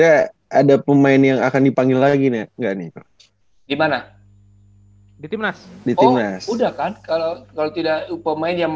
ada juan widhi juan govind